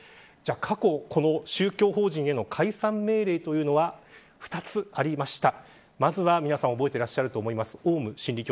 過去、宗教法人法解散命令というのは２つありました。